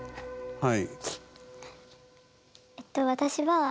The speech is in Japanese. はい。